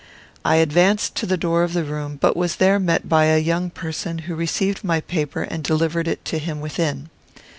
I advanced to the door of the room, but was there met by a young person, who received my paper and delivered it to him within.